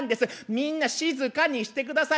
みんな静かにしてください。